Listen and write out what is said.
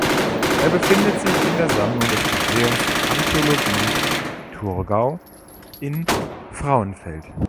Er befindet sich in der Sammlung des Museums für Archäologie Thurgau in Frauenfeld.